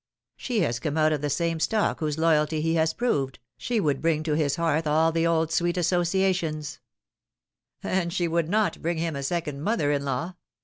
She has come out of the same stock whose loyalty he has proved, she would bring to his hearth all the old sweet associations "'' And she would not bring him a second mother in law.